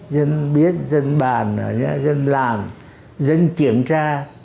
dân biết dân bàn dân làm dân kiểm tra